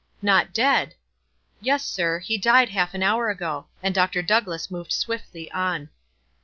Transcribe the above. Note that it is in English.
" Not dead !" "Yes, sir; he died half an hour ago," and Dr. Douglass moved swiftly on.